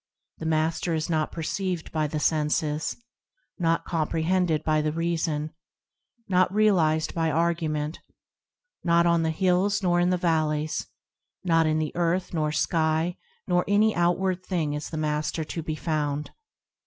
– The Master is not perceived by the senses, Not comprehended by the reason, Not realised by argument. Not on the hills, nor in the valleys ; Not in the earth, nor sky, not in any outward thing is the Master to be found.